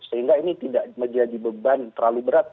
sehingga ini tidak menjadi beban terlalu berat